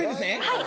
はい。